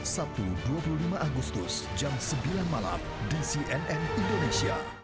sabtu dua puluh lima agustus jam sembilan malam di cnn indonesia